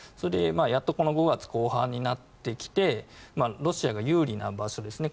やっとこの５月後半になってきてロシアが有利な場所ですね